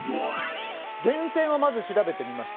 源泉をまず調べてみました。